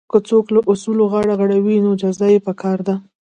که څوک له اصولو غاړه غړوي نو جزا یې پکار ده.